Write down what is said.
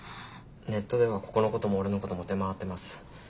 ネットではここのことも俺のことも出回ってます。